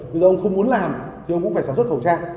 bây giờ ông không muốn làm thì ông cũng phải sản xuất khẩu trang